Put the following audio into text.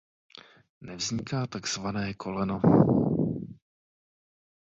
Nevzniká takzvané koleno.